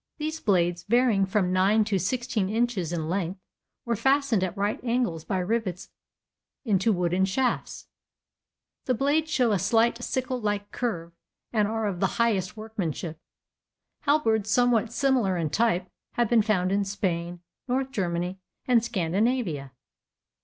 These blades, varying from nine to sixteen inches in length, were fastened at right angles by rivets into wooden shafts. The blades show a slight sickle like curve and are of the highest workmanship. Halberds somewhat similar in type have been found in Spain, North Germany, and Scandinavia.